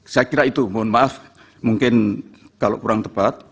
saya kira itu mohon maaf mungkin kalau kurang tepat